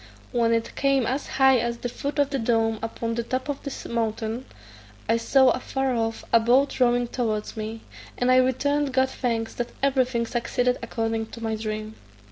When it came as high as the foot of the dome upon the top of the mountain, I saw, afar off, a boat rowing towards me, and I returned God thanks that everything succeeded according to my dream.